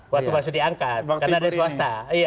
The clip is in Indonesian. waktu masuk diangkat karena ada swasta